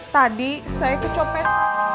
tadi saya kecopet